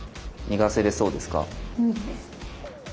逃がせれそうですか？